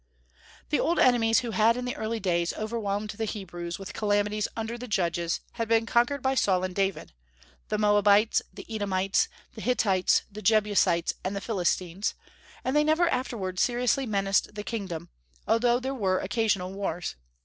The old enemies who had in the early days overwhelmed the Hebrews with calamities under the Judges had been conquered by Saul and David, the Moabites, the Edomites, the Hittites, the Jebusites, and the Philistines, and they never afterward seriously menaced the kingdom, although there were occasional wars.